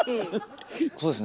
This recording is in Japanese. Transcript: そうですね